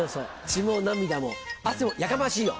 血も涙も汗もやかましいよ！